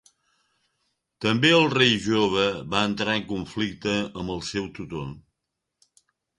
També el rei jove va entrar en conflicte amb el seu tutor.